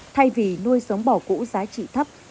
thay vì nuôi sống bò cũ giá trị thấp